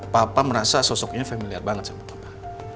papa merasa sosoknya familiar banget sama papa